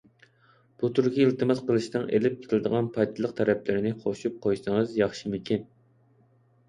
بۇ تۈرگە ئىلتىماس قىلىشنىڭ ئېلىپ كېلىدىغان پايدىلىق تەرەپلىرىنى قوشۇپ قويسىڭىز ياخشىمىكىن.